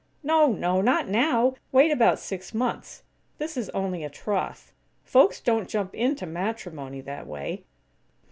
"No, no! Not now! Wait about six months. This is only a troth. Folks don't jump into matrimony, that way."